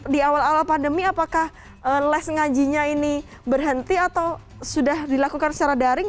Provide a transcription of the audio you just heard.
di awal awal pandemi apakah les ngajinya ini berhenti atau sudah dilakukan secara daring